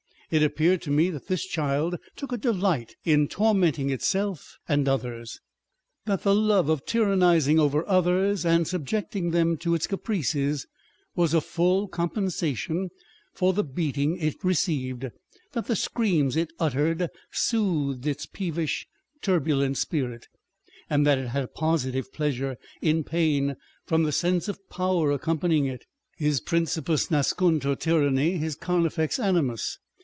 It appeared to me that this child took a delight in tormenting itself and others ; that the love of tyrannising over others and subjecting them to its caprices was a full 1 Coleridge. â€" ED. 488 On Depth and Superficiality. compensation for the beating it received, that the screams it uttered soothed its peevish, turbulent spirit, and that it had a positive pleasure in pain from the sense of power accompanying it. His principiis nascuntur tyranni, his carnifex animus.